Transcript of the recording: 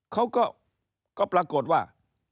เขาก็ปรากฏว่า